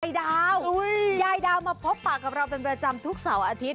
ยายดาวยายดาวมาพบปากกับเราเป็นประจำทุกเสาร์อาทิตย